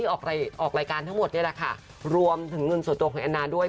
ออกรายการทั้งหมดนี่แหละค่ะรวมถึงเงินส่วนตัวของแอนนาด้วย